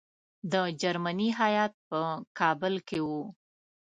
د جرمني هیات په کابل کې وو.